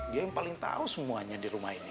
dia yang paling tahu semuanya di rumah ini